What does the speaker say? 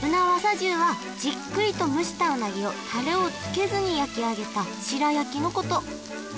重はじっくりと蒸したうなぎをタレを付けずに焼き上げた白焼きのこと